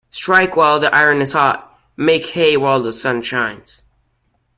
Strike while the iron is hot Make hay while the sun shines.